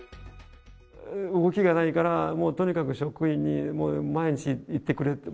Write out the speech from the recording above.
動きがないから、もうとにかく職員に、もう毎日行ってくれって。